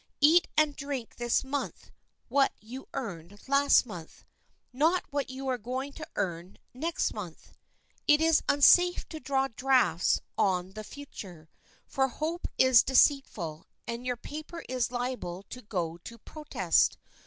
Eat and drink this month what you earned last month, not what you are going to earn next month. It is unsafe to draw drafts on the future, for hope is deceitful, and your paper is liable to go to protest.